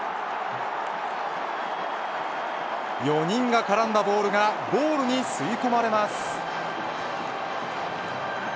４人が絡んだボールがゴールに吸い込まれます。